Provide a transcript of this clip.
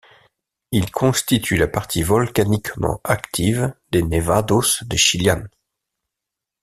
Il constitue la partie volcaniquement active des Nevados de Chillán.